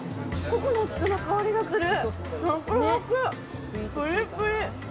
ココナッツの香りがする。